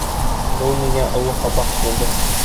Был миңә оло һабаҡ булды.